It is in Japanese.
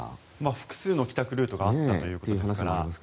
複数の帰宅ルートがあったという話があります。